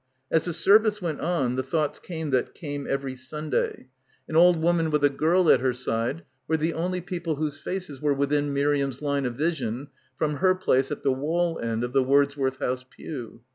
As the service went on the thoughts came that came every Sunday. An old woman with a girl at her side were the only people whose faces were within Miriam's line of vision from her place at the wall end of the Wordsworth House pew.